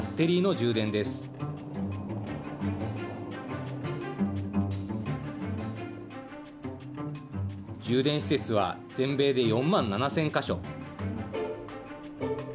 充電施設は全米で４万７０００か所。